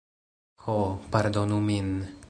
"Ho, pardonu min.